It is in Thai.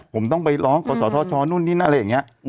ผมต้องไปร้องตัวสอทชนื่นนี่นั่น